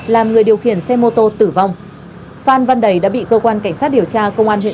làm người điều khiển xe mô tô tử vong phan văn đầy đã bị cơ quan cảnh sát điều tra công an huyện